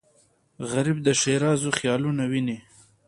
غریب د ښېرازو خیالونه ویني